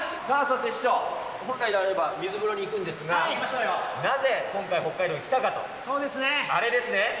さあ、そして師匠、本来であれば、水風呂に行くんですが、なぜ今回は北海道へ来たかと、あれですね。